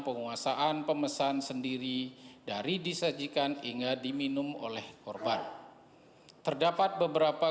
penguasaan pemesan sendiri dari disajikan hingga diminum oleh korban terdapat beberapa